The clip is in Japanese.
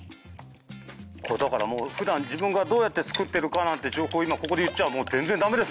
これだから普段自分がどうやって作ってるかなんて今ここで言っちゃ全然駄目ですもんね。